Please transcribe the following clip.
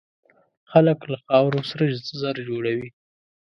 خلک له خاورو سره زر جوړوي.